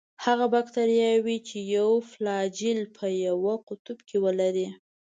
هغه باکتریاوې چې یو فلاجیل په یوه قطب کې ولري.